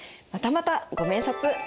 またまたご明察！